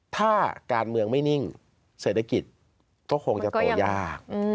ถ้าการเมืองไม่นิ่งเศรษฐกิจก็คงจะโตยาก